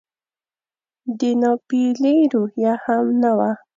د ناپیېلې روحیه هم نه وه.